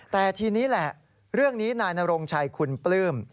แต่ทีนี้แหละเรื่องนี้นายนโรงชัยคุณปลื้ม